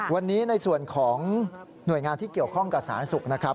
วันนี้ในส่วนของหน่วยงานที่เกี่ยวข้องกับสาธารณสุขนะครับ